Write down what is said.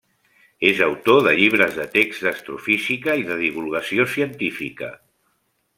És autor de llibres de text d'astrofísica i de divulgació científica.